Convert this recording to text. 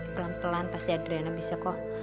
pelan pelan pasti adrena bisa kok